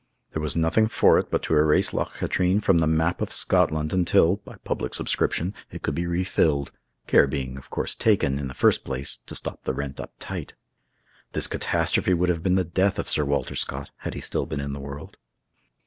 There was nothing for it but to erase Loch Katrine from the map of Scotland until (by public subscription) it could be refilled, care being of course taken, in the first place, to stop the rent up tight. This catastrophe would have been the death of Sir Walter Scott, had he still been in the world.